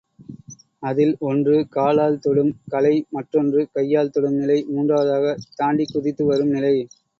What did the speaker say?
அதில் ஒன்று, காலால் தொடும் கலை மற்றொன்று, கையால் தொடும் நிலை மூன்றாவதாக தாண்டிக் குதித்து வரும் நிலை.